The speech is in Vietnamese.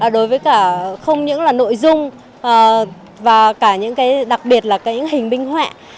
đối với cả không những là nội dung và cả những cái đặc biệt là những hình binh họa